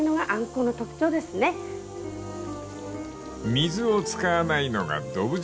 ［水を使わないのがどぶ汁］